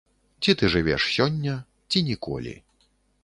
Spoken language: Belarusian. Ці ты жывеш сёння, ці ніколі.